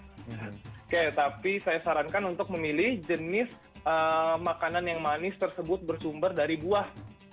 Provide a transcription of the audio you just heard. oke tapi saya sarankan untuk memilih jenis makanan yang manis tersebut bersumber dari buah